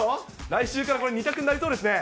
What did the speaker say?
来週からこれ、２択になりそうですね。